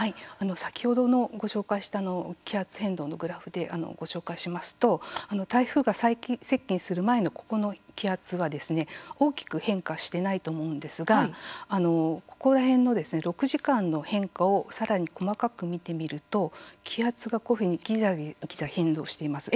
先ほどご紹介した気圧変動のグラフでご紹介しますと台風が最接近する前のここの気圧はですね大きく変化してないと思うんですがここら辺の６時間の変化をさらに細かく見てみると気圧がこういうふうにぎざぎざ変動しています。